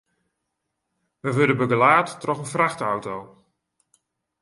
We wurde begelaat troch in frachtauto.